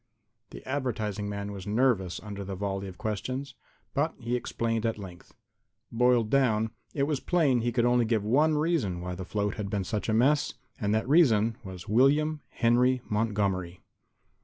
The advertising man was nervous under the volley of questions, but he explained at length. Boiled down, it was plain he could give only one reason why the float had been such a mess. And that reason was William Henry Montgomery.